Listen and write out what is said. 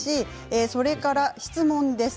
それから質問です。